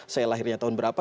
saya lahirnya tahun berapa